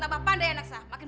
dengan diri ani pulang